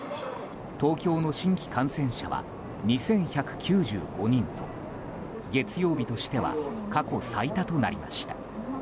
東京の新規感染者は２１９５人と月曜日としては過去最多となりました。